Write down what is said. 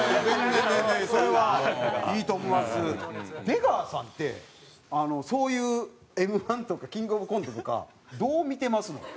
出川さんってそういうＭ−１とかキングオブコントとかどう見てますの？